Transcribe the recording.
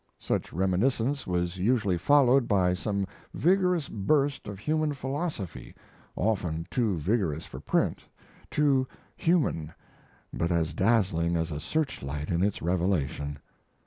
Such reminiscence was usually followed by some vigorous burst of human philosophy, often too vigorous for print, too human, but as dazzling as a search light in its revelation.